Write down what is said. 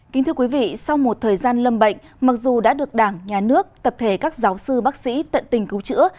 kính thưa quý vị sau một thời gian lâm bệnh mặc dù đã được đảng nhà nước tập thể các giáo sư bác sĩ tận tình cứu chữa